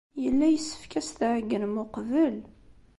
Yella yessefk ad as-tɛeyynem uqbel.